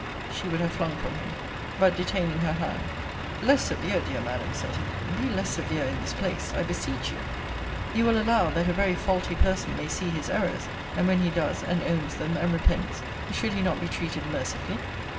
She would have flung from him. But, detaining her hand Less severe, dear Madam, said he, be less severe in this place, I beseech you. You will allow, that a very faulty person may see his errors; and when he does, and owns them, and repents, should he not be treated mercifully?